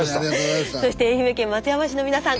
そして愛媛県松山市の皆さん